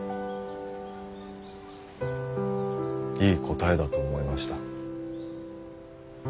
いい答えだと思いました。